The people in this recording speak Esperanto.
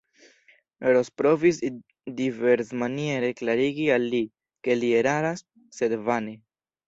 Ros provis diversmaniere klarigi al li, ke li eraras, sed vane.